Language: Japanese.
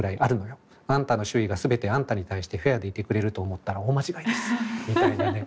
あんたの周囲がすべてあんたに対してフェアでいてくれると思ったら大間違いです」みたいなね